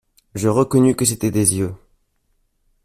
Je reconnus que c'étaient des yeux.